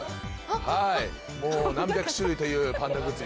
はいもう何百種類というパンダグッズ